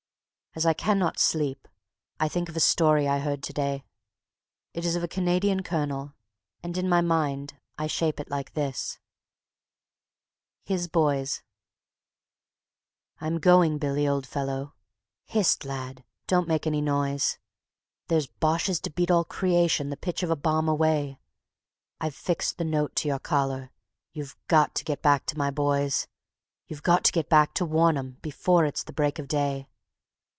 As I cannot sleep, I think of a story I heard to day. It is of a Canadian Colonel, and in my mind I shape it like this: His Boys "I'm going, Billy, old fellow. Hist, lad! Don't make any noise. There's Boches to beat all creation, the pitch of a bomb away. I've fixed the note to your collar, you've got to get back to my Boys, You've got to get back to warn 'em before it's the break of day."